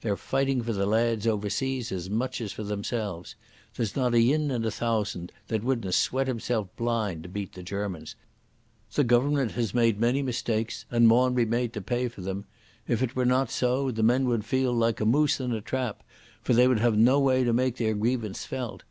They're fighting for the lads overseas as much as for themselves. There's not yin in a thousand that wouldna sweat himself blind to beat the Germans. The Goavernment has made mistakes, and maun be made to pay for them. If it were not so, the men would feel like a moose in a trap, for they would have no way to make their grievance felt.